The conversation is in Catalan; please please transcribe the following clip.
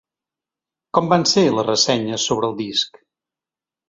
Com van ser les ressenyes sobre el disc?